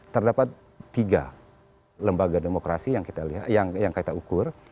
terdapat tiga lembaga demokrasi yang kita ukur